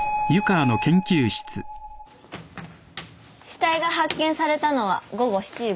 死体が発見されたのは午後７時５０分。